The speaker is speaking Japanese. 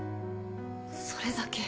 それだけ。